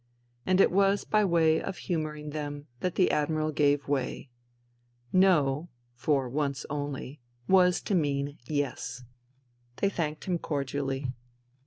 And it was by way of humouring them that the Admiral gave way. No (for once only) was to mean Yes, They thanked him cordially.